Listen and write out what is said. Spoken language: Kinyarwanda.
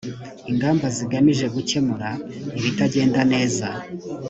ingamba zigamije gukemura ibitagenda neza